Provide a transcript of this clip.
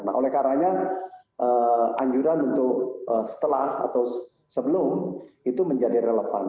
nah oleh karanya anjuran untuk setelah atau sebelum itu menjadi relevan